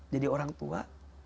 jadi orang tua